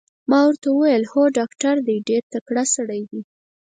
ما ورته وویل: هو ډاکټر دی، ډېر تکړه سړی دی.